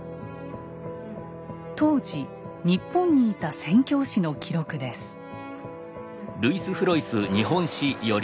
当時日本にいた宣教師の記録です。